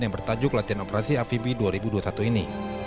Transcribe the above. yang bertajuk latihan operasi amfibi dua ribu dua puluh satu ini